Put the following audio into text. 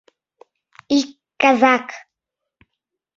Ик казак.